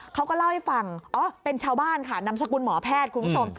เขาก็เล่าให้ฟังอ๋อเป็นชาวบ้านค่ะนำสกุลหมอแพทย์คุณผู้ชม